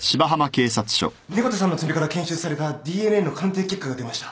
猫田さんの爪から検出されたＤＮＡの鑑定結果が出ました。